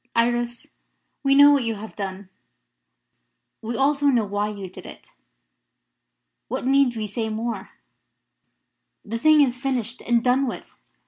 "Iris, we know what you have done. We also know why you did it. What need we say more? The thing is finished and done with.